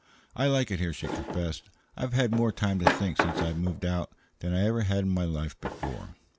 "I like it here," she confessed. "I've had more time to think since I moved out than I ever had in my life before.